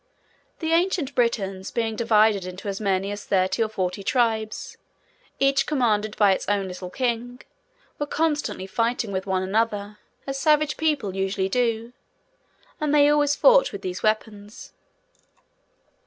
The ancient Britons, being divided into as many as thirty or forty tribes, each commanded by its own little king, were constantly fighting with one another, as savage people usually do; and they always fought with these weapons.